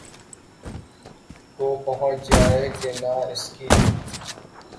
کو پہنچ جائے کہ نہ اس کی